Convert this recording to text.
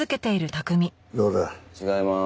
違いまーす。